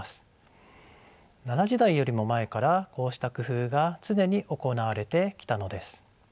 奈良時代よりも前からこうした工夫が常に行われてきたのです。